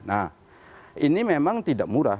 nah ini memang tidak murah